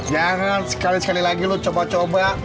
jangan sekali sekali lagi lu coba coba